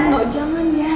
ndok jangan ya